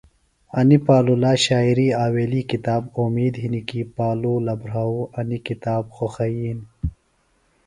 انی پالولا شاعری آویلی کتاب اومید ہِنیۡ کیۡ پالولہ بھراو انیۡ کتاب خوخئین۔